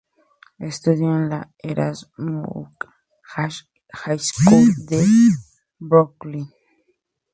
Estudió en la Erasmus Hall High School de Brooklyn.